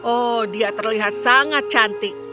oh dia terlihat sangat cantik